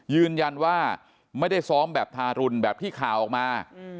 ยืนยันว่าไม่ได้ซ้อมแบบทารุณแบบที่ข่าวออกมา